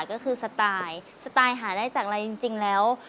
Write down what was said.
ก็คือสไตล์สไตล์หาได้จากอะไรจริงแล้ว